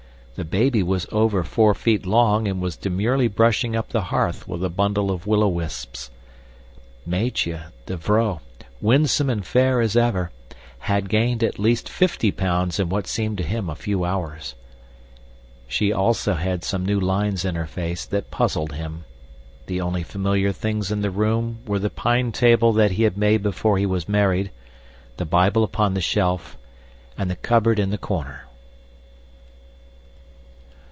"The baby" was over four feet long and was demurely brushing up the hearth with a bundle of willow wisps. Meitje, the vrouw, winsome and fair as ever, had gained at least fifty pounds in what seemed to him a few hours. She also had some new lines in her face that puzzled him. The only familiar things in the room were the pine table that he had made before he was married, the Bible upon the shelf, and the cupboard in the corner.